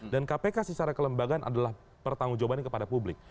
dan kpk secara kelembagaan adalah pertanggung jawabannya kepada publik